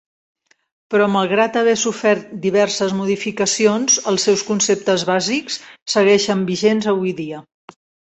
Però malgrat haver sofert diverses modificacions, els seus conceptes bàsics segueixen vigents avui dia.